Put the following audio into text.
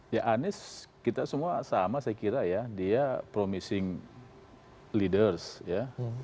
ya anies kita semua sama saya kira ya dia promissing leaders ya